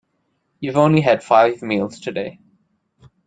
You've only had five meals today.